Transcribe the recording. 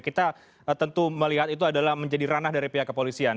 kita tentu melihat itu adalah menjadi ranah dari pihak kepolisian